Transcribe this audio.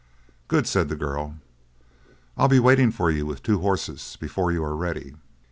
"Good!" said the girl, "I'll be waiting for you with two horses before you are ready."